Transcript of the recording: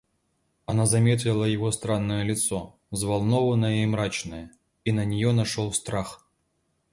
Она заметила его странное лицо, взволнованное и мрачное, и на нее нашел страх.